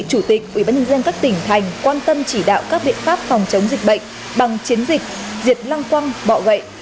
chủ tịch ủy ban nhân dân các tỉnh thành quan tâm chỉ đạo các biện pháp phòng chống dịch bệnh bằng chiến dịch diệt lăng quăng bọ gậy